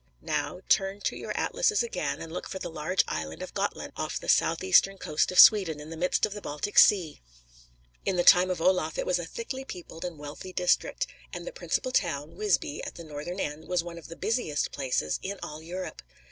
Now, turn to your atlases again and look for the large island of Gotland off the southeastern coast of Sweden, in the midst of the Baltic Sea. In the time of Olaf it was a thickly peopled and wealthy district, and the principal town, Wisby, at the northern end, was one of the busiest places in all Europe.